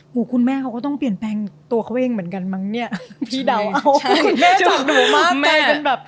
คุณแม่เขาก็ต้องเปลี่ยนแปลงตัวเขาเองเหมือนกันมั้งเนี่ยพี่เดาคุณแม่เจอหนูมากไปกันแบบ